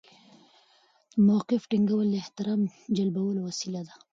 د موقف ټینګول د احترام جلبولو وسیله ده.